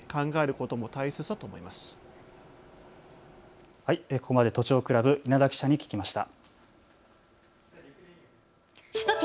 ここまで都庁クラブ、稲田記者に聞きました。